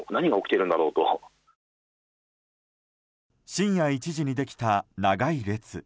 深夜１時にできた長い列。